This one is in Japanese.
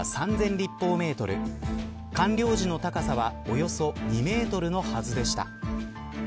立方メートル完了時の高さはおよそ２メートルのはずでした。